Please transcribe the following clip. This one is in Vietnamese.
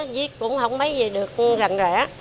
giết cũng không mấy gì được rành rẽ